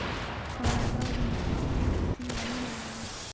کاناډا د موسیقۍ فستیوالونه لري.